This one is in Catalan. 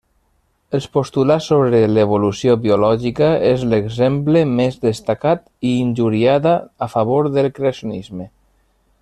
Els postulats sobre l'Evolució biològica és l'exemple més destacat i injuriada a favor del creacionisme.